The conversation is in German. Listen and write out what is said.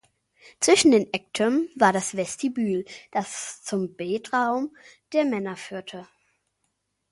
Zwischen den Ecktürmen war das Vestibül, das zum Betraum der Männer führte.